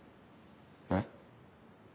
えっ？